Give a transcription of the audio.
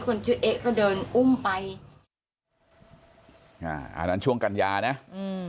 คนชื่อเอ๊ะก็เดินอุ้มไปอ่าอันนั้นช่วงกัญญานะอืม